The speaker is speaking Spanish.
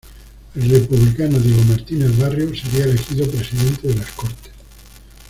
El republicano Diego Martínez Barrio sería elegido presidente de la Cortes.